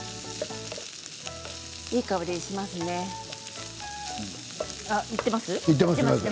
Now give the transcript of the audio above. いい香りしますね。